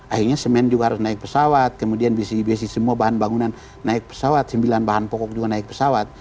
akhirnya semen juga harus naik pesawat kemudian bc semua bahan bangunan naik pesawat sembilan bahan pokok juga naik pesawat